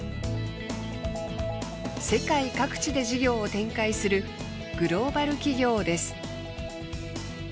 世界各地で事業を展開するグローバル企業です。